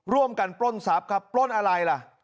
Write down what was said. ปล้นทรัพย์ครับปล้นอะไรล่ะ